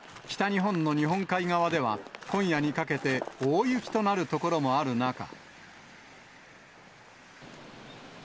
北日本の日本海側では今夜にかけて、大雪となる所もある中。